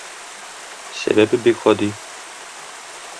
Сәбәбе бик гади.